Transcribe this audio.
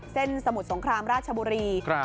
เส้นสมุดสงครามราชบุรี